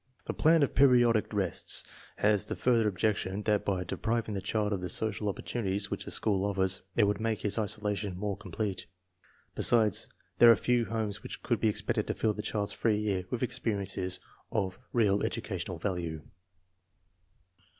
The plan of " periodic rests " Las the further objection that by de priving the child of the social opportunities which the school offers it would make his isolation more com plete. Besides, there are few homes which could be expected to fill the child's free year with experiences of real educational value.